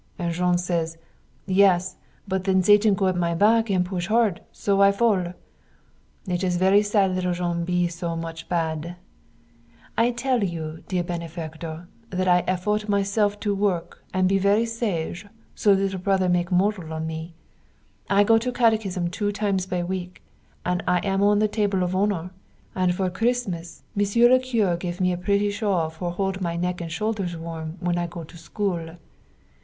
And Jean say, "yes but then Satan go at my back and push hard, so I fall!" It is very sad little Jean be so much bad. I will tell you, dear benefactor, that I effort myself to work and be very sage so little brother take model on me. I go to catechism two times by week, and I am on the table of honor, and for Christmas Mr. le Curé give me a pretty shawl for hold my neck and shoulders warm when I go to school.